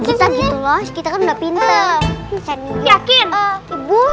kita gitu loh kita kan udah pinter